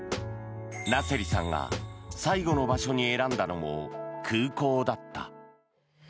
ナセリさんが最後の場所に選んだのも空港だった。